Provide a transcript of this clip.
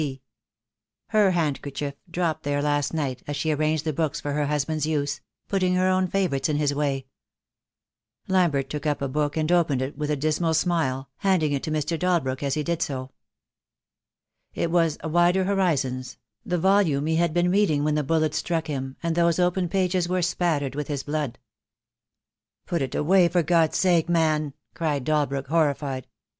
C." Her handkerchief, dropped there last night, as she arranged the books for her husband's use — putting her own favourites in his way. Lambert took up a book and opened it with a dis mal smile, handing it to Mr. Dalbrook as he did so. It was "Wider Horizons," the volume he had been reading when the bullet struck him, and those open pages were spattered with his blood. "Put it away for God's sake, man," cried Dalbrook, horrified.